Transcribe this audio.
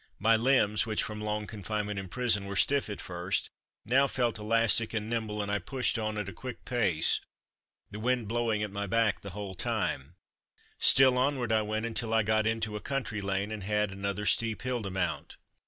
My limbs, which, from long confinement in prison, were stiff at first, now felt elastic and nimble and I pushed on at a quick pace, the wind blowing at my back the whole time; still onward I went until I got into a country lane and had another steep hill to mount.